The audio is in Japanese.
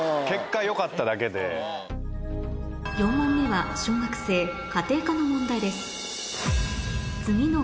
４問目は小学生家庭科の問題です